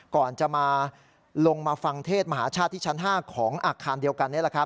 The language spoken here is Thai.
ก่อนจะมาลงมาฟังเทศมหาชาติที่ชั้น๕ของอัคคารเดียวกัน